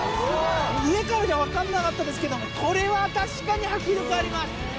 上からじゃ分かんなかったですけどもこれは確かに迫力あります。